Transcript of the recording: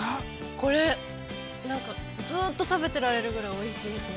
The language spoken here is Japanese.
◆これ、なんかずっと食べてられるぐらいおいしいですね。